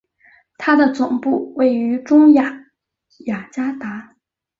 它的总部位于中亚雅加达。